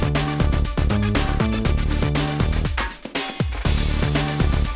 ขอเชิญลุงนี้ดีกว่าไม่ยอมลงรถ